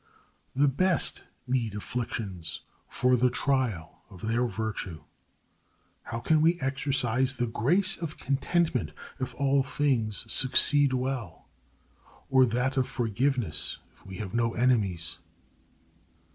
The best need afflictions for the trial of their virtue. How can we exercise the grace of contentment if all things succeed well? or that of forgiveness if we have no enemies?